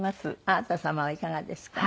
あなた様はいかがですか？